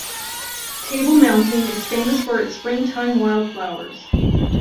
Table Mountain is famous for its springtime wildflowers.